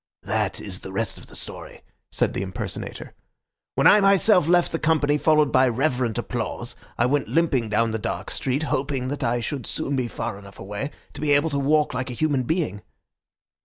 "That is the rest of the story," said the impersonator. "When I myself left the company, followed by reverent applause, I went limping down the dark street, hoping that I should soon be far enough away to be able to walk like a human being.